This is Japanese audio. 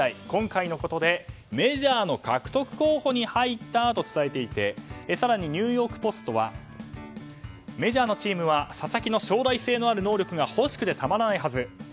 今回のことで、メジャーの獲得候補に入ったと伝えていて更にニューヨーク・ポストはメジャーのチームは佐々木の将来性のある能力が欲しくてたまらないはず。